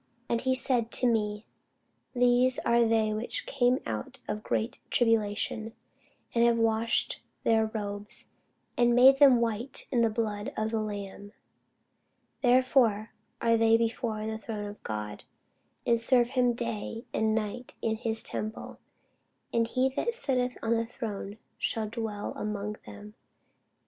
And he said to me, These are they which came out of great tribulation, and have washed their robes, and made them white in the blood of the Lamb. Therefore are they before the throne of God, and serve him day and night in his temple: and he that sitteth on the throne shall dwell among them.